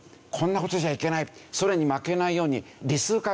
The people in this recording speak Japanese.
ソ連に負けないように。